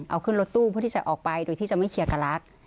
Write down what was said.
เอาขึ้นรถตู้เพื่อที่จะออกไปโดยที่จะไม่เคลียร์กับลักษณ์